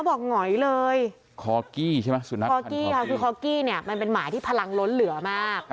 หงอยเลยคอกี้ใช่ไหมสุนัขคอกี้ค่ะคือคอกี้เนี่ยมันเป็นหมาที่พลังล้นเหลือมาก